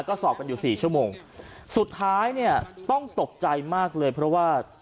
ก็สอบกันอยู่สี่ชั่วโมงสุดท้ายเนี่ยต้องตกใจมากเลยเพราะว่า